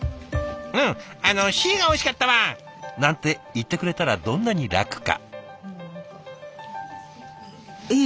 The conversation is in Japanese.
「うんあのＣがおいしかったわ！」なんて言ってくれたらどんなに楽か。